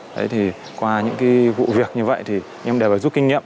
đấy thì qua những cái vụ việc như vậy thì em đều phải rút kinh nghiệm